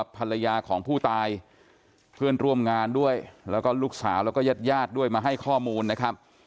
ภรรยาของผู้ตายเพื่อนร่วมงานด้วยแล้วก็ลูกสาวแล้วก็ญาติญาติด้วยมาให้ข้อมูลนะครับ